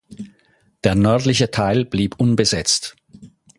Der nördliche Teil blieb unbesetzt.